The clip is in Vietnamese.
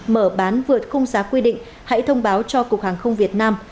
mở bán vượt khung giá quy định hãy thông báo cho cục hàng không việt nam